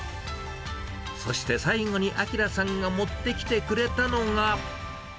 そして最後に明さんが持ってきてくれたのが。